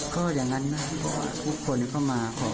ก็อย่างนั้นทุกคนก็มาขอพอ